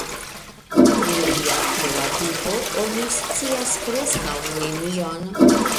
Pri lia frua vivo oni scias preskaŭ nenion.